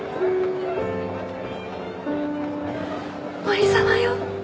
森様よ！